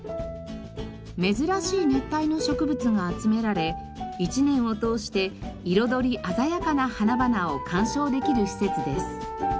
珍しい熱帯の植物が集められ一年を通して彩り鮮やかな花々を観賞できる施設です。